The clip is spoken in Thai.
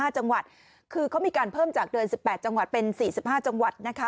๕จังหวัดคือเขามีการเพิ่มจากเดือน๑๘จังหวัดเป็น๔๕จังหวัดนะคะ